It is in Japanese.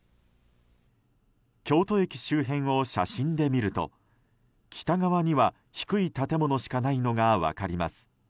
京都駅周辺を写真で見ると北側には低い建物しかないのが分かります。